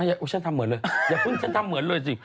ฉันทำเหมือนเลยอย่าเพิ่งฉันทำเหมือนเลยสิ